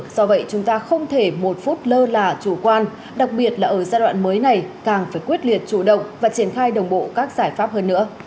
do vậy chúng ta không thể một phút lơ là chủ quan đặc biệt là ở giai đoạn mới này càng phải quyết liệt chủ động và triển khai đồng bộ các giải pháp hơn nữa